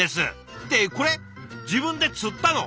ってこれ自分で釣ったの？